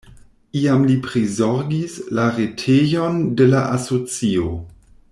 Iam li prizorgis la retejon de la asocio.